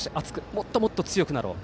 もっともっと強くなろう。